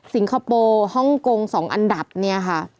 คโปร์ฮ่องกง๒อันดับเนี่ยค่ะ